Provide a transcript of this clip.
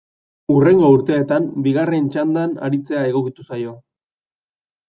Hurrengo urteetan bigarren txandan aritzea egokitu zaio.